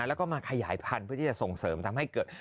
แล้วก็มาขยายพันธุ์เพื่อที่จะส่งเสริมทำให้เกิด